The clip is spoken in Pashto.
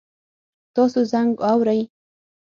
تاسو زنګ اورئ؟